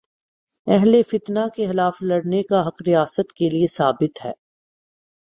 اہل فتنہ کے خلاف لڑنے کا حق ریاست کے لیے ثابت ہے۔